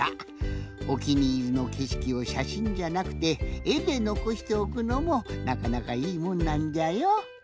おきにいりのけしきをしゃしんじゃなくてえでのこしておくのもなかなかいいもんなんじゃよ。